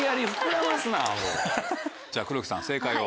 じゃ黒木さん正解を。